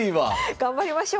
頑張りましょう。